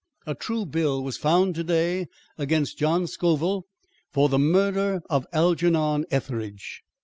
"A true bill was found to day against John Scoville for the murder of Algernon Etheridge."